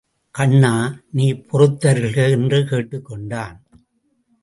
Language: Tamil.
கண்ணா, நீ பொறுத்தருள்க என்று கேட்டுக்கொண்டான்.